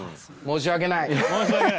申し訳ないです。